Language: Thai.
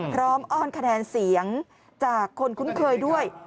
อ้อนคะแนนเสียงจากคนคุ้นเคยด้วย